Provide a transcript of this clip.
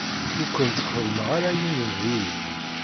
Ur kent-xeddmeɣ ara ayen n diri.